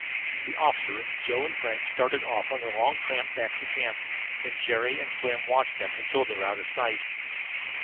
The officer, Joe and Frank started off on their long tramp back to camp, and Jerry and Slim watched them until they were out of sight.